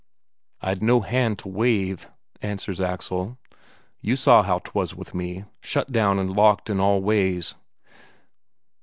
"I'd no hand to wave," answers Axel. "You saw how 'twas with me, shut down and locked in all ways."